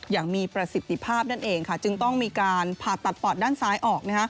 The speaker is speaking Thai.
อย่างมีประสิทธิภาพนั่นเองค่ะจึงต้องมีการผ่าตัดปอดด้านซ้ายออก